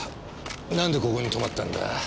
なんでここに泊まったんだ？